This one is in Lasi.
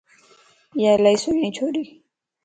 ايا الائي سھڻي ڇوريَ